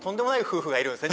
がいるんですね